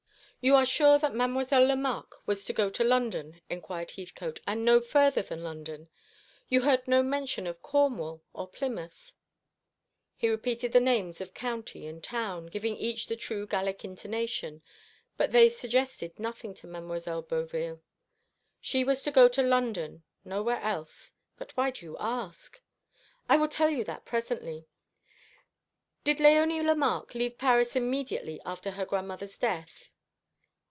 "You are sure that Mademoiselle Lemarque was to go to London," inquired Heathcote, "and no further than London? You heard no mention of Cornwall or Plymouth?" He repeated the names of county and town giving each the true Gallic intonation but they suggested nothing to Mademoiselle Beauville. "She was to go to London nowhere else. But why do you ask?" "I will tell you that presently. Did Léonie Lemarque leave Paris immediately after her grandmother's death?"